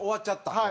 はい。